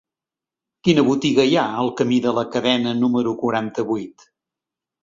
Quina botiga hi ha al camí de la Cadena número quaranta-vuit?